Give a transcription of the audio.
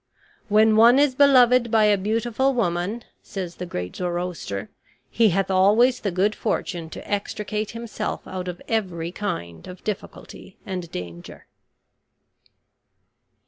"When one is beloved by a beautiful woman," says the great Zoroaster, "he hath always the good fortune to extricate himself out of every kind of difficulty and danger."